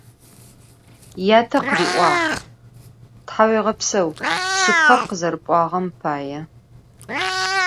Yate khıri'uağ: «Thauêğepseu, şsıpkher khızerep'uağem paê».